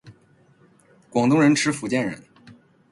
广东人吃福建人！